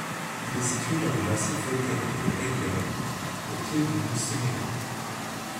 Il est situé dans le massif volcanique du Tengger, au pied du mont Semeru.